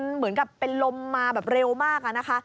เหมือนกับเป็นลมมาแบบเร็วมากอะนะคะ